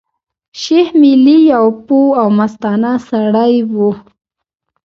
شېخ ملي يو پوه او مستانه سړی وو.